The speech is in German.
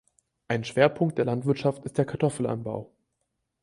Ein Schwerpunkt der Landwirtschaft ist der Kartoffelanbau.